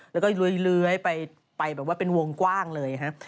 แล้วก็เลื้อยไปแบบว่าเป็นวงกว้างเลยครับ